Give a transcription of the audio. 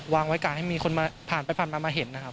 วางไว้การให้มีคนมาผ่านมาเห็นนะครับ